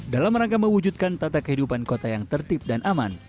dalam rangka mewujudkan tata kehidupan kota yang tertib dan aman